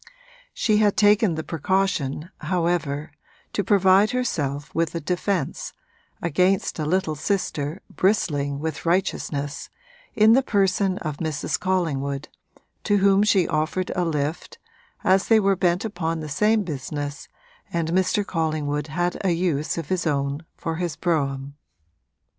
She had taken the precaution, however, to provide herself with a defence, against a little sister bristling with righteousness, in the person of Mrs. Collingwood, to whom she offered a lift, as they were bent upon the same business and Mr. Collingwood had a use of his own for his brougham.